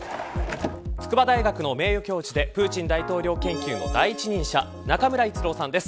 筑波大学の名誉教授でプーチン大統領研究の第一人者中村逸郎さんです